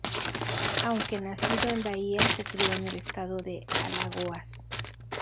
Aunque nacido en Bahía, se crio en el estado de Alagoas.